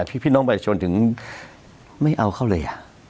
พี่น้องประชาชนถึงไม่เอาเขาเลย